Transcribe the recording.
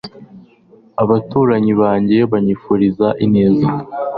abaturanyi bange banyifuriza ineza